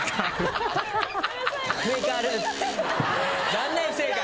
残念不正解。